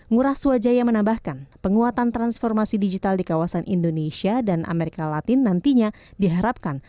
ngurah swajaya menambahkan penguatan transformasi digital di kawasan indonesia dan amerika latin nantinya diharapkan